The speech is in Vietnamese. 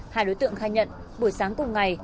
hai đối tượng khai nhận buổi sáng cùng ngày